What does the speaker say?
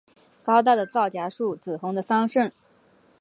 高大的皂荚树，紫红的桑葚